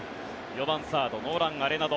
４番サードノーラン・アレナド。